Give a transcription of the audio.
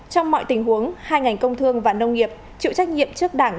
trong mọi tình huống hai ngành công thương và nông nghiệp chịu trách nhiệm trước đảng